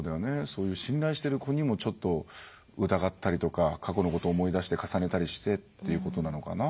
そういう信頼している子にもちょっと疑ったりとか過去のことを思い出して重ねたりしてっていうことなのかな。